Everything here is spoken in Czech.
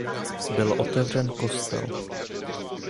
Byl otevřen kostel.